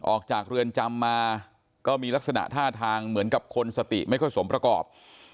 ออกจากเรือนจำมาก็มีลักษณะท่าทางเหมือนกับคนสติไม่ค่อยสมประกอบ